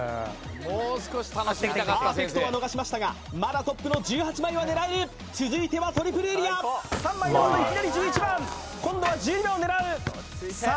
パーフェクトは逃しましたがまだトップの１８枚は狙える続いてはトリプルエリアいきなり１１番今度は１２番を狙うさあ